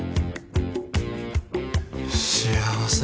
幸せ。